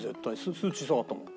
数値下がったもん。